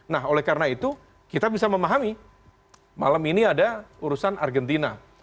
nah oleh karena itu kita bisa memahami malam ini ada urusan argentina